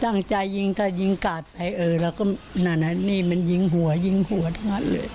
ตั้งใจยิงถ้ายิงกาดไปนี่มันยิงหัวยิงหัวทั้งนั้นเลย